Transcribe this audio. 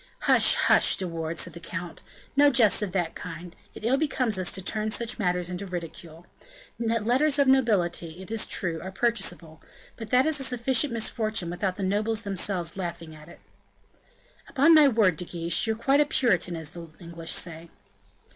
"Hush, hush, De Wardes," said the count; "no jests of that kind; it ill becomes us to turn such matters into ridicule. Letters of nobility, it is true, are purchasable; but that is a sufficient misfortune without the nobles themselves laughing at it." "Upon my word, De Guiche, you're quite a Puritan, as the English say."